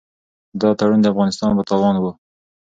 دا تړون د افغانستان په تاوان و.